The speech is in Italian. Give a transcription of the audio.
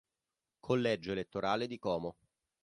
Collegio elettorale di Como